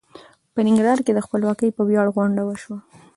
په ننګرهار کې د خپلواکۍ په وياړ غونډه وشوه.